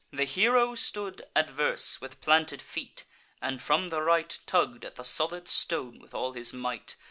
The hero stood Adverse, with planted feet, and, from the right, Tugg'd at the solid stone with all his might.